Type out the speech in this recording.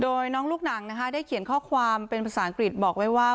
โดยน้องลูกหนังนะคะได้เขียนข้อความเป็นภาษาอังกฤษบอกไว้ว่า